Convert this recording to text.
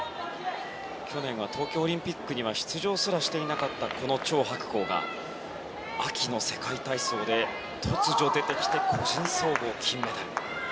去年は東京オリンピックに出場すらしていなかったこのチョウ・ハクコウが秋の世界体操で突如出てきて個人総合金メダル。